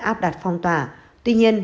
áp đặt phong tỏa tuy nhiên